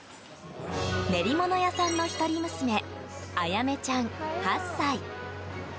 練り物屋さんの一人娘あやめちゃん、８歳。